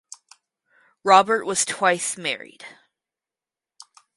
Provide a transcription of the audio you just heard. Robert was twice married.